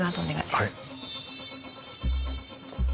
はい。